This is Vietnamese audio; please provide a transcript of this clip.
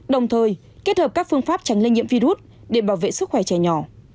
đồng thời kết hợp các phương pháp tránh lây nhiễm virus để bảo vệ sức khỏe trẻ nhỏ